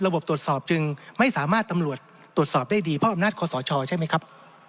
ตรวจสอบจึงไม่สามารถตำรวจตรวจสอบได้ดีเพราะอำนาจคอสชใช่ไหมครับ